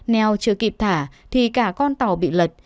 neo chưa kịp thả thì cả con tàu bị lật